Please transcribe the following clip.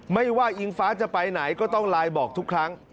ไม่ว่าอิงฟ้าจะไปไหนก็ต้องไลน์บอกทุกครั้ง